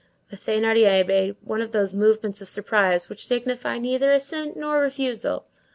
The Thénardier made one of those movements of surprise which signify neither assent nor refusal.